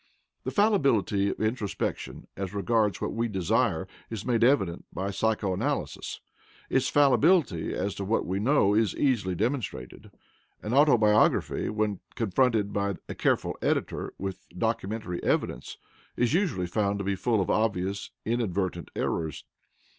The fallibility of introspection as regards what we desire is made evident by psycho analysis; its fallibility as to what we know is easily demonstrated. An autobiography, when confronted by a careful editor with documentary evidence, is usually found to be full of obviously inadvertent errors.